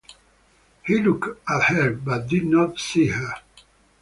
He looked at her, but did not see her.